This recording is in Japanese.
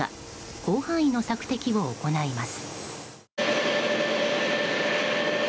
広範囲の索敵を行います。